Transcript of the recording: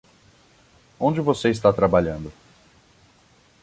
Onde você está trabalhando?